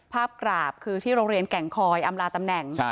กราบคือที่โรงเรียนแก่งคอยอำลาตำแหน่ง